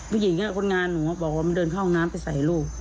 ผู้หญิงคนงานหนูบอกว่ามันเดินเข้าห้องน้ำไปใส่ลูก